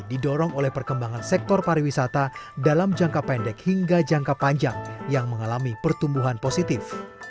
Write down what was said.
didorong oleh perkembangan sektor pariwisata dalam jangka pendek hingga jangka panjang yang mengalami pertumbuhan positif